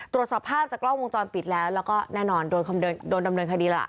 ตรวจสอบภาพจากกล้องวงจรปิดแล้วแล้วก็แน่นอนโดนดำเนินคดีล่ะ